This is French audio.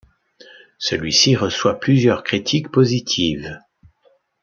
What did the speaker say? Celui-ci reçoit plusieurs critiques positives.